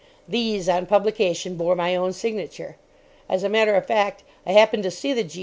These, on publication, bore my own signature. As a matter of fact, I happened to see the G.